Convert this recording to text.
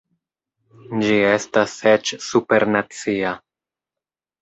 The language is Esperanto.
Ĝi estas eĉ supernacia.